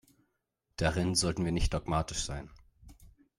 Darin sollten wir nicht dogmatisch sein.